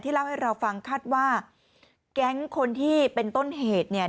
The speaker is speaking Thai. เล่าให้เราฟังคาดว่าแก๊งคนที่เป็นต้นเหตุเนี่ย